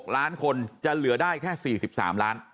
๖ล้านคนจะเหลือได้แค่๔๓ล้าน